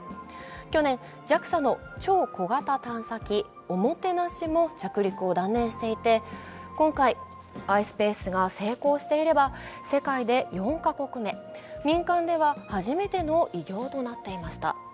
去年、ＪＡＸＡの超小型探査機「ＯＭＯＴＥＮＡＳＨＩ」も着陸を断念していて今回ｉｓｐａｃｅが成功していれば世界で４か国目、民間では初めての偉業となっていました。